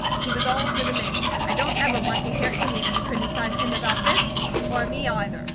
He was all for the men. I don't ever want to hear any of you criticize him about this, or me, either.